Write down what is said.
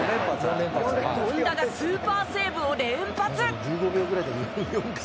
権田がスーパーセーブを連発。